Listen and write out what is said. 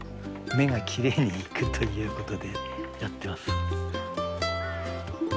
目がきれいにいくということでやってます。